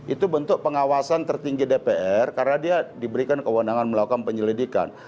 itu bentuk pengawasan tertinggi dpr karena dia diberikan kewenangan melakukan penyelidikan